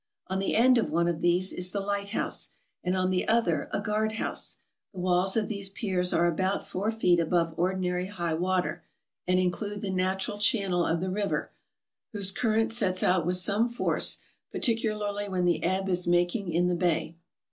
On the end of one of these is the light house, and on the other a guard house. The walls of these piers are about four feet above ordinary high water, and include the natural channel of the river, whose current sets out with some force, partic ularly when the ebb is making in the bay.